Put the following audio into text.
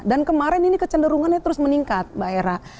dan kemarin ini kecenderungannya terus meningkat mbak hera